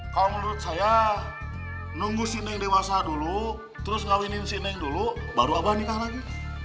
kalo menurut saya nunggu si neng dewasa dulu terus ngawinin si neng dulu baru abah nikah lagi